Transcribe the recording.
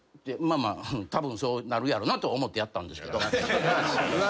まあたぶんそうなるやろなと思ってやったんですけど。